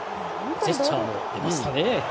ジェスチャーも出ましたね。